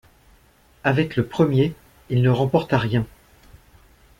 Avec le premier, il ne remporta rien.